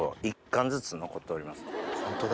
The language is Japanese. ホントだ。